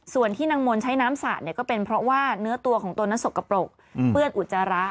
ส่วนที่นางมนต์ใช้น้ำสาดเนี่ยก็เป็นเพราะว่าเนื้อตัวของตนนั้นสกปรกเปื้อนอุจจาระ